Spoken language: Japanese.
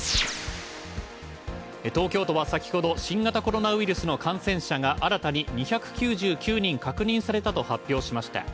東京都は先ほど、新型コロナウイルスの感染者が新たに２９９人確認されたと発表しました。